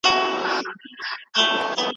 لښکر د سورلنډیو به تر ګوره پوري تښتي